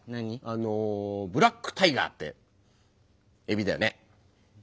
あのブラックタイガーってエビだよね。